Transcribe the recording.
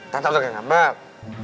tata udah gak ngambek